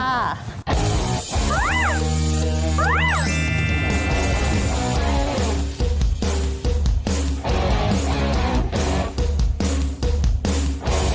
ค่ะ